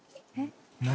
何？